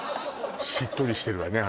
しっとりしてるわね